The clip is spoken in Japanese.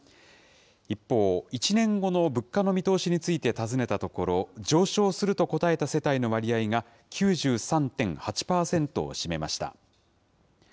一方、１年後の物価の見通しについて尋ねたところ、上昇すると答えた世帯の割合が９３．８％を占めました。